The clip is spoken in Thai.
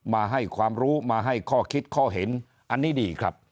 มาให้ความรู้มาให้ข้อคิดข้อเห็นอันนี้ดีครับ